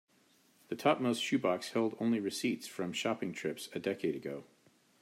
The topmost shoe box held only receipts from shopping trips a decade ago.